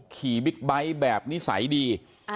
บิ๊กไบท์แบบนิสัยดี